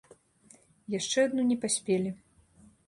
Яшчэ адну не паспелі.